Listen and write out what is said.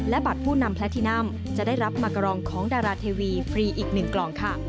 และบัตรผู้นำแพลทินัมจะได้รับมากรองของดาราเทวีฟรีอีก๑กล่องค่ะ